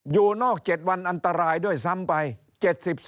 อยู่นอก๗วันอันตรายด้วยซ้ำไป